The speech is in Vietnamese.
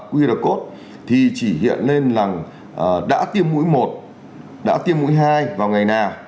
qr code thì chỉ hiện lên là đã tiêm mũi một đã tiêm mũi hai vào ngày nào